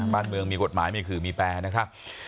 บ้านเมืองมีกฎหมายมีขื่อมีแปรนะครับ